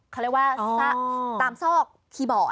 เขาเรียกว่าตามซอกคีย์บอร์ด